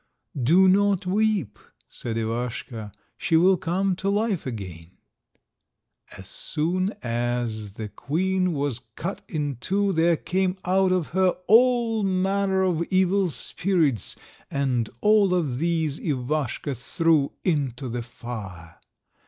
"Do not weep," said Ivaschka, "she will come to life again." As soon as the Queen was cut in two there came out of her all manner of evil spirits, and all of these Ivaschka threw into the fire.